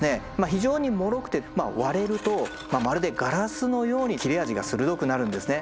非常にもろくて割れるとまるでガラスのように切れ味が鋭くなるんですね。